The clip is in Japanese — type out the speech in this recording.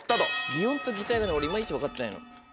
擬音と擬態が俺いまいち分かってないの。